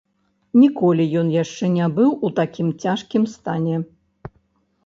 Ніколі ён яшчэ не быў у такім цяжкім стане.